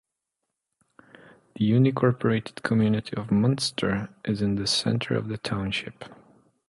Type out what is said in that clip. The unincorporated community of Munster is in the center of the township.